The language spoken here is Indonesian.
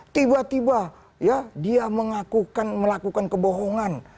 tiba tiba dia mengakukan kebohongan